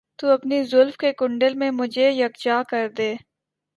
تو اپنی زلف کے کنڈل میں مجھے یکجا کر دے